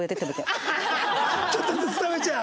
ちょっとずつ食べちゃう。